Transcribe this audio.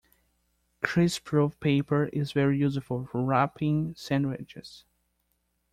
Greaseproof paper is very useful for wrapping sandwiches